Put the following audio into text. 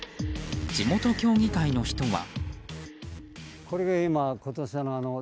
地元協議会の人は。